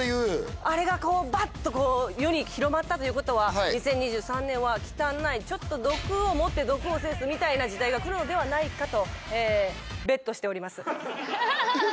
あれがバッとこう世に広まったという事は２０２３年は忌憚のないちょっと毒をもって毒を制すみたいな時代がくるのではないかと。